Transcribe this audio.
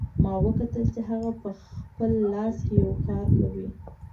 ما وکتل چې هغه په خپل لاس یو کار کوي